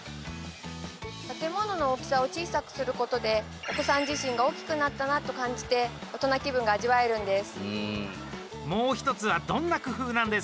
建物の大きさを小さくすることでお子さん自身が大きくなったなと感じて大人気分が味わえるんです。